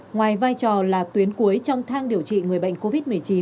ngoài vai trò là tuyến cuối trong thang điều trị người bệnh covid một mươi chín